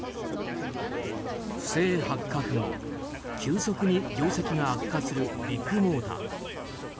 不正発覚後、急速に業績が悪化するビッグモーター。